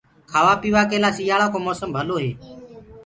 کآوآ پيوآ ڪي لآ سيٚآݪڪو موسم ڀلو هي۔